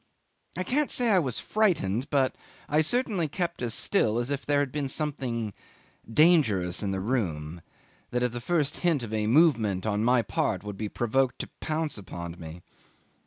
I can't say I was frightened; but I certainly kept as still as if there had been something dangerous in the room, that at the first hint of a movement on my part would be provoked to pounce upon me.